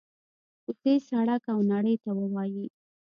کوڅې، سړک او نړۍ ته ووايي: